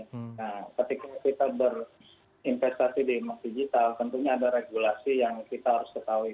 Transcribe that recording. nah ketika kita berinvestasi di emas digital tentunya ada regulasi yang kita harus ketahui